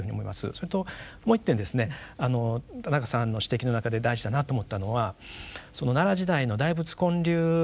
それともう一点ですね田中さんの指摘の中で大事だなと思ったのは奈良時代の大仏建立からですね